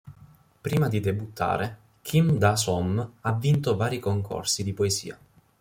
Prima di debuttare, Kim Da-som ha vinto vari concorsi di poesia.